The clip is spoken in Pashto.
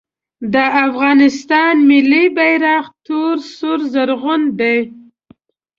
د افغانستان ملي بیرغ تور سور زرغون دی